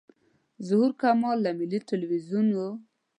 ظهور کمال له ملي تلویزیون و.